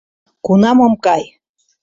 — Кунам ом кай...